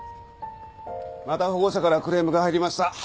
また保護者からクレームが入りました